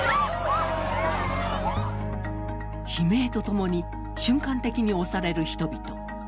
悲鳴と共に瞬間的に押される人々。